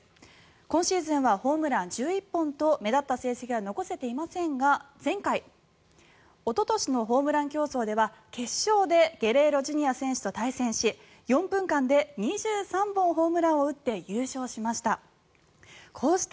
今シーズンはホームラン１１本と目立った成績は残せていませんが前回おととしのホームラン競争では決勝でゲレーロＪｒ．選手と対戦し４分間で２３本ホームランを打って優勝しました。